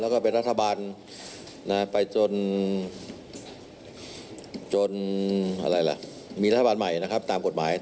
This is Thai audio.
แล้วก็เป็นรัฐบาลไปจนมีรัฐบาลใหม่นะครับตามกฎหมาย